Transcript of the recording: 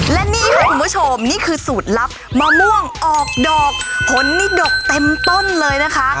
และนี่ค่ะคุณผู้ชมนี่คือสูตรลับมะม่วงออกดอกผลนี่ดกเต็มต้นเลยนะคะ